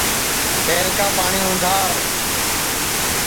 پہلکا پاٹؔی اُندھاو